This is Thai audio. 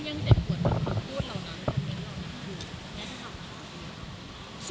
อย่างไรครับ